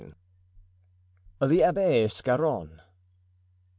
The Abbé Scarron.